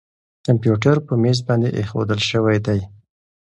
کمپیوټر په مېز باندې اېښودل شوی دی.